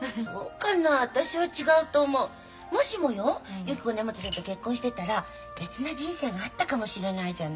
ゆき子が根本さんと結婚してたら別な人生があったかもしれないじゃない。